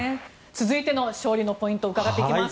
続いての勝利のポイント伺っていきます。